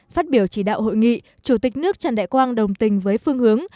phát biểu chỉ đạo hội nghị chủ tịch nước trần đại quang đồng tình với phương hướng